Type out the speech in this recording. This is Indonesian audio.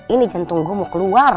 ini jantung gue mau keluar